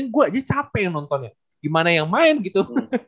gue aja capek nontonnya gimana yang main gitu